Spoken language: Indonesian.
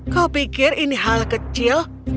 kau pikir ini hal kecil